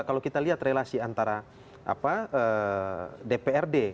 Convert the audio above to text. kalau kita lihat relasi antara dprd